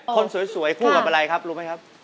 คนสวยคู่กับรถเฟ้น